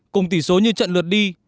cùng tỷ số như trận lượt đi